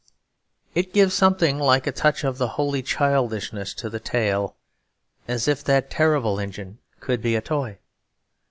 It gives something like a touch of the holy childishness to the tale, as if that terrible engine could be a toy.